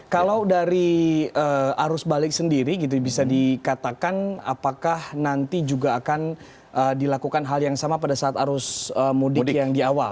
kalau dari arus balik sendiri gitu bisa dikatakan apakah nanti juga akan dilakukan hal yang sama pada saat arus mudik yang di awal